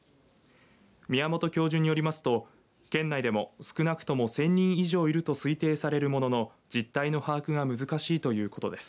宮本教授によりますと県内では少なくとも１０００人以上いると推定されるものの実態の把握が難しいということです。